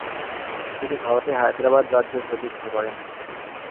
তিনি ভারতে হায়দ্রাবাদ রাজ্য প্রতিষ্ঠা করেন।